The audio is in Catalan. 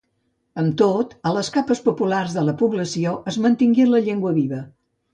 Amb tot, a les capes populars de la població es mantingué la llengua viva.